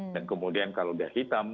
dan kemudian kalau dia hitam